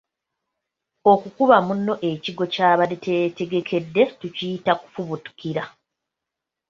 Okukuba munno ekigwo ky’abadde teyeetegedde tukiyita Kufubutukira.